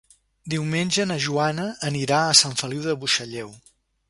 Diumenge na Joana anirà a Sant Feliu de Buixalleu.